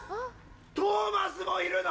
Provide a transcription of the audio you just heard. ・トーマスもいるの？